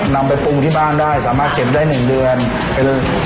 นำไปปรุงที่บ้านได้สามารถเก็บได้หนึ่งดนต์